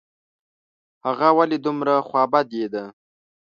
هغه ولي دومره خوابدې ده ؟